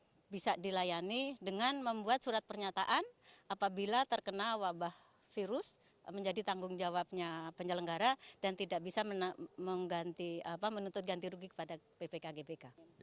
jadi kita harus melayani dengan membuat surat pernyataan apabila terkena wabah virus menjadi tanggung jawabnya penyelenggara dan tidak bisa menutup ganti rugi kepada ppk gbk